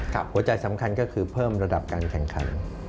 หัวใจสำคัญก็คือเพิ่มระดับการแข่งขัน